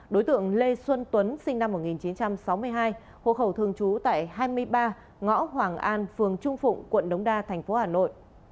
đối tượng lê xuân tuấn sinh năm một nghìn chín trăm sáu mươi hai hộ khẩu thường trú tại hai mươi ba ngõ hoàng an phường trung phụng quận đống đa tp hà nội